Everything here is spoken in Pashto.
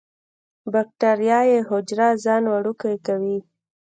باکټریايي حجره ځان وړوکی کوي.